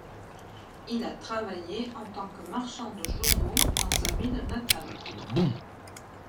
Il a travaillé en tant que marchand de journaux dans sa ville natale.